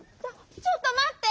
ちょっとまって！